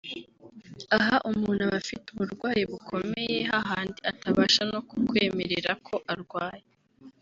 aha umuntu aba afite uburwayi bukomeye hahandi atabasha no kukwemerera ko arwaye